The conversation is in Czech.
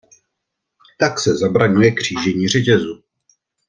Tak se zabraňuje křížení řetězu.